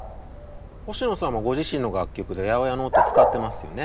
星野さんもご自身の楽曲で８０８の音使ってますよね。